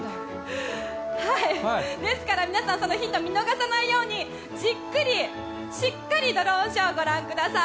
ですから皆さんそのヒントを見逃さないようにじっくりしっかりドローンショーをご覧ください。